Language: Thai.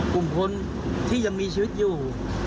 กลุ่มคนที่ยังมีชีวิตอยู่